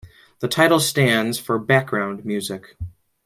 The title stands for "Background music".